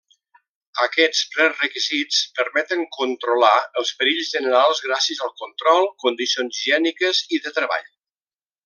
Aquests prerequisits permeten controlar els perills generals gràcies al control condicions higièniques i de treball.